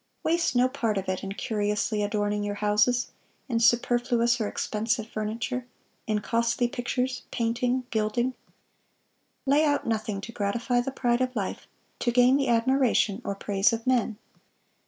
Waste no part of it in curiously adorning your houses; in superfluous or expensive furniture; in costly pictures, painting, gilding.... Lay out nothing to gratify the pride of life, to gain the admiration or praise of men....